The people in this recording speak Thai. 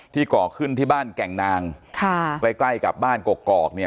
ที่เกาะขึ้นที่บ้านแก่งนางใกล้กับบ้านกกอกเนี่ย